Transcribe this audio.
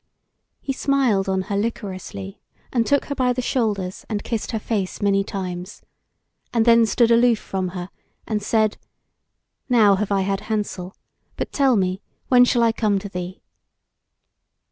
He smiled on her licorously, and took her by the shoulders, and kissed her face many times, and then stood aloof from her, and said: "Now have I had hansel: but tell me, when shall I come to thee?"